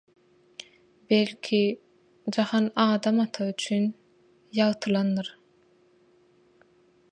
Belki, jahan Adam ata üçin ýagtylandyr?!